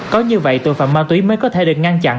có như vậy tội phạm ma túy mới có thể được ngăn chặn